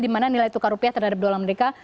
di mana nilai tukar rupiah terhadap dolar amerika